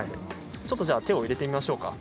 ちょっと、じゃあ手を入れてみましょうか。